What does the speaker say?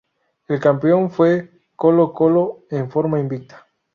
El campeón fue Colo-Colo en forma invicta.